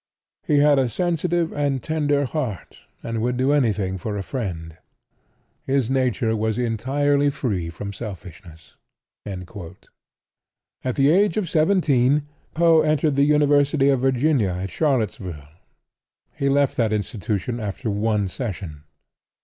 He had a sensitive and tender heart and would do anything for a friend. His nature was entirely free from selfishness." At the age of seventeen Poe entered the University of Virginia at Charlottesville. He left that institution after one session.